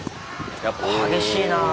やっぱ激しいなぁ。